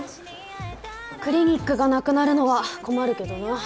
クリニックがなくなるのは困るけどな。